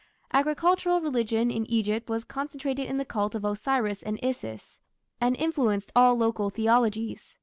Agricultural religion in Egypt was concentrated in the cult of Osiris and Isis, and influenced all local theologies.